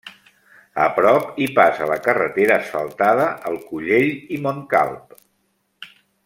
A prop hi passa la carretera asfaltada al Collell i Montcalb.